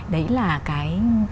đấy là cái